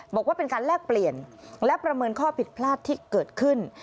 บอกว่าเป็นการแลกเปลี่ยนและประเมินข้อผิดพลาดที่เกิดขึ้น